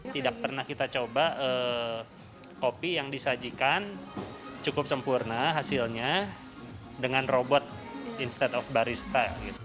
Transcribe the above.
tidak pernah kita coba kopi yang disajikan cukup sempurna hasilnya dengan robot instead of barista